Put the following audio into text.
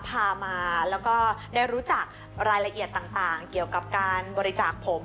พามาแล้วก็ได้รู้จักรายละเอียดต่างเกี่ยวกับการบริจาคผม